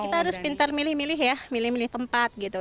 kita harus pintar milih milih ya milih milih tempat gitu